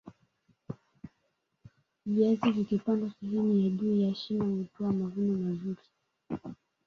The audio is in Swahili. viazi vikipandwa sehemu ya juu ya shina hutoa mavuno mazuri